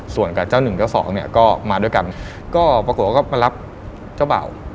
ส่วนกับเจ้าหนึ่งเจ้าสองเนี่ยก็มาด้วยกันก็ปรากฏว่าก็มารับเจ้าเบ่า